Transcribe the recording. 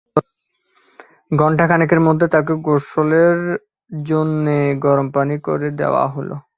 ঘন্টাখানেকের মধ্যে তাঁকে গোসলের জন্যে গরম পানি করে দেয়া হলো।